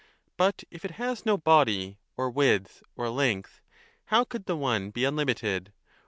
But if it has no body or width 30 or length, how could the One be unlimited